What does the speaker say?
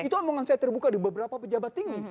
itu omongan saya terbuka di beberapa pejabat tinggi